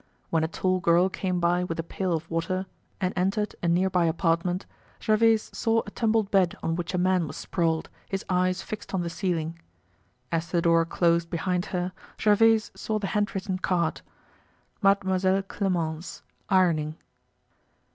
When a tall girl came by with a pail of water and entered a nearby apartment, Gervaise saw a tumbled bed on which a man was sprawled, his eyes fixed on the ceiling. As the door closed behind her, Gervaise saw the hand written card: "Mademoiselle Clemence, ironing."